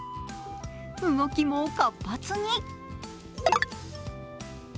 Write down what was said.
動きも活発に。